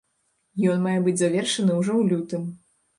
Ён мае быць завершаны ўжо ў лютым.